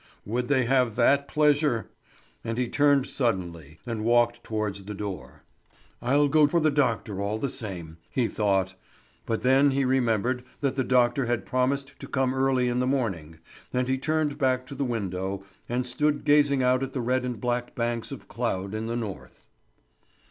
Would they have that pleasure? And he turned suddenly, and walked towards the door. "I'll go for the doctor all the same," he thought; but then he remembered that the doctor had promised to come early in the morning, and he turned back to the window, and stood gazing out at the red and black banks of cloud in the north.